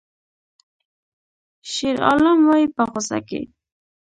شیرعالم وایی په غوسه کې